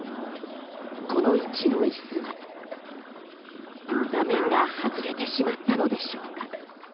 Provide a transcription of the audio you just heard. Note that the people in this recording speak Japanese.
この位置の椅子は座面が外れてしまったのでしょうか。